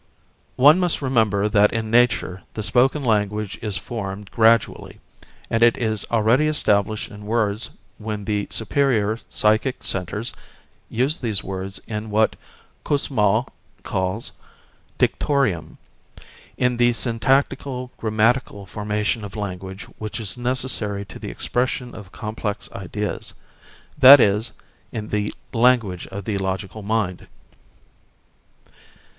One must remember that in nature the spoken language is formed gradually; and it is already established in words when the superior psychic centres use these words in what Kussmaul calls dictorium, in the syntactical grammatical formation of language which is necessary to the expression of complex ideas; that is, in the language of the logical mind.